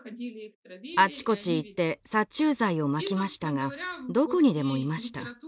あちこち行って殺虫剤をまきましたがどこにでもいました。